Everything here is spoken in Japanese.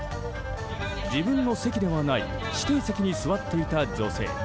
自分の席ではない指定席に座っていた女性。